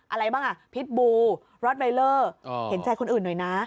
อะไรบ้างอ่ะพิษบูร็อตไวเลอร์เห็นใจคนอื่นหน่อยนะ